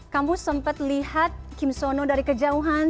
kamu sempet lihat kim seon ho dari kejauhan